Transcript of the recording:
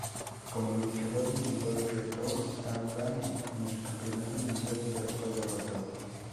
Como luchador individual retó a Bane por el Campeonato Mundial pero fue derrotado.